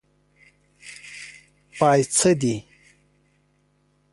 پايڅۀ دې.